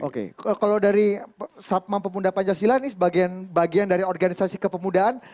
kalau dari pemuda pancasila ini bagian dari organisasi kepemudaan